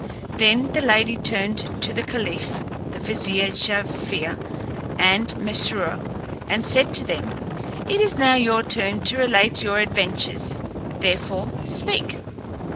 Then the lady turned to the caliph, the vizier Jaaffier, and Mesrour, and said to them, "It is now your turn to relate your adventures, therefore speak."